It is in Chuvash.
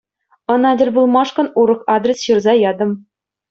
Ӑна тӗл пулмашкӑн урӑх адрес ҫырса ятӑм.